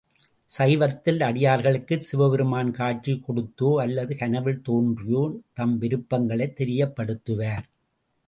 சைவத்தில் அடியார்களுக்குச் சிவபெருமான் காட்சி கொடுத்தோ அல்லது கனவில் தோன்றியோ தம் விருப்பங்களைத் தெரியப்படுத்துவார்.